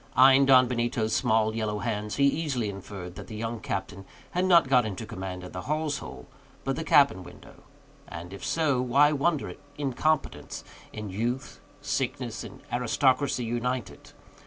Eying Don Benito's small, yellow hands, he easily inferred that the young captain had not got into command at the hawse hole, but the cabin window; and if so, why wonder at incompetence, in youth, sickness, and gentility united?